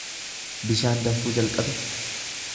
Bishaan danfuu jalqabe.